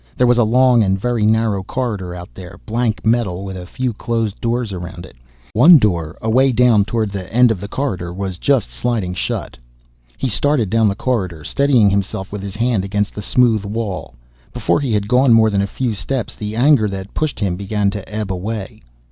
There was a long and very narrow corridor out there, blank metal with a few closed doors along it. One door, away down toward the end of the corridor, was just sliding shut. He started down the corridor, steadying himself with his hand against the smooth wall. Before he had gone more than a few steps, the anger that pushed him began to ebb away.